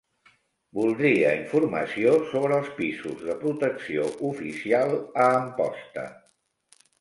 Voldria informació sobre els pisos de protecció oficial a Amposta.